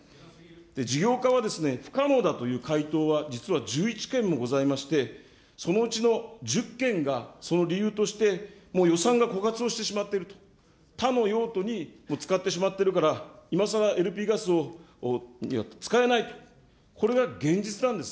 事業化は不可能だという回答は実は１１県もございまして、そのうちの１０県が、その理由として、もう予算が枯渇をしてしまっていると、他の用途に使ってしまっているから、今さらＬＰガスを、使えないと、これが現実なんです。